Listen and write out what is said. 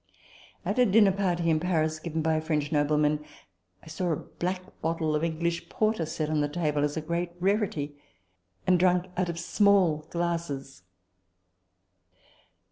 At a dinner party in Paris, given by a French nobleman, I saw a black bottle of English porter set on the table as a great rarity, and drunk out of small glasses.